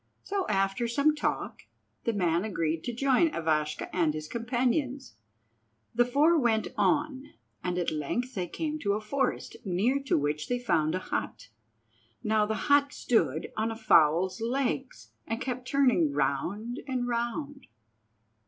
So, after some talk, the man agreed to join Ivashka and his companions. The four went on, and at length they came to a forest, near to which they found a hut. Now the hut stood on a fowl's legs, and kept turning round and round.